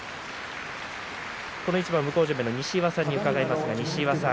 この一番は向正面の西岩さんに伺います。